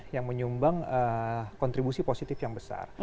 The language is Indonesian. yang menyumbang kontribusi positif yang besar